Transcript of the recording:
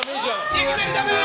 いきなりダメー！